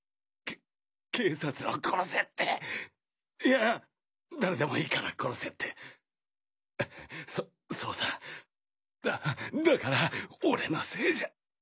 け警察を殺せっていや誰でもいいから殺せってそそうさだだから俺のせいじゃあ。